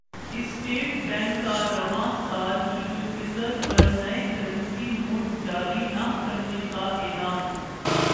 state Bank کا رواں سال عیدالفطر پر نئے کرنسی نوٹ جاری نہ کرنے کا اعلان